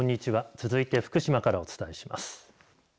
続いて福島からお伝えします。